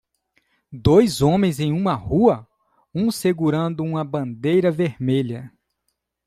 Dois homens em uma rua? um segurando uma bandeira vermelha.